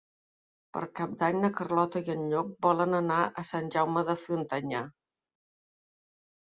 Per Cap d'Any na Carlota i en Llop volen anar a Sant Jaume de Frontanyà.